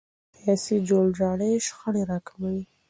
سیاسي جوړجاړی شخړې راکموي